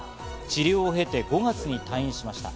治療を経て５月に退院しました。